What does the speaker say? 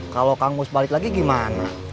kalau kamus balik lagi gimana